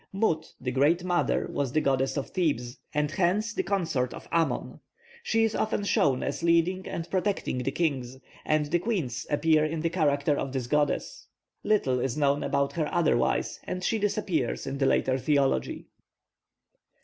+Mut+, the great mother, was the goddess of Thebes, and hence the consort of Amon. She is often shown as leading and protecting the kings, and the queens appear in the character of this goddess. Little is known about her otherwise, and she disappears in the later theology.